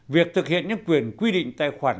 việc thực hiện những quyền quy định tài khoản